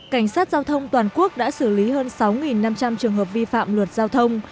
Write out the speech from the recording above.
cảnh sát giao thông toàn quốc đã xử lý hơn sáu năm trăm linh trường hợp vi phạm luật giao thông